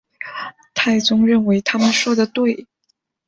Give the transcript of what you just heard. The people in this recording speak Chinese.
太宗认为他们说得对。